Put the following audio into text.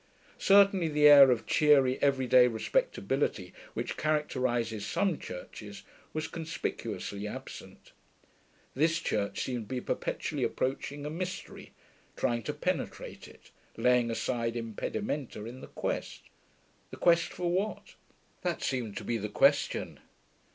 Certainly the air of cheery, everyday respectability which characterises some churches was conspicuously absent: this church seemed to be perpetually approaching a mystery, trying to penetrate it, laying aside impedimenta in the quest.... The quest for what? That seemed to be the question.